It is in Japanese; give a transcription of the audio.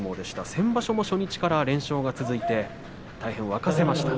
先場所も初日から連勝が続いて大変、沸かせました。